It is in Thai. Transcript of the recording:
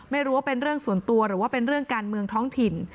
ไม่รู้ว่าเป็นเรื่องส่วนตัวหรือว่าเป็นเรื่องการเมืองท้องถิ่น